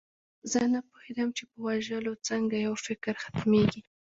زه نه پوهېدم چې په وژلو څنګه یو فکر ختمیږي